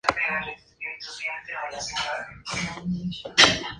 Sin embargo, hay mucha polarización en este asunto.